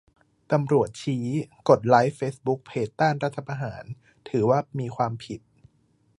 ตำรวจชี้ กดไลก์เฟซบุ๊กเพจต้านรัฐประหาร ถือว่ามีความผิด